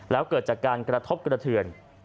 แล้วเกิดจากการกระทบกระเทือน